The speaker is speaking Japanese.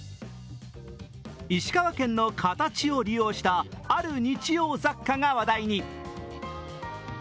石川県の形を利用した、ある日用雑貨が話題に。